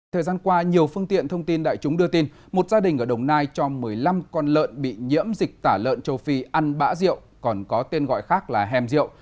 thời gian qua nhiều phương tiện thông tin đại chúng đưa tin một gia đình ở đồng nai cho một mươi năm con lợn bị nhiễm dịch tả lợn châu phi ăn bã rượu còn có tên gọi khác là hèm rượu